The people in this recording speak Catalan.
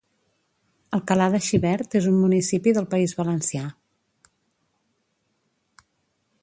Alcalà de Xivert és un municipi del País Valencià